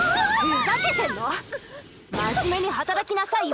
ふざけてんの⁉真面目に働きなさいよ！